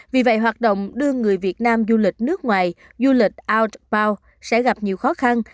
vì vậy hoạt động đưa người việt nam du lịch nước ngoài du lịch aru sẽ gặp nhiều khó khăn